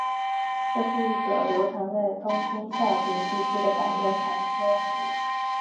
这是一则流传在东京下町地区的百年传说。